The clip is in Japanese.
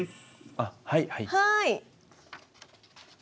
あはいはい。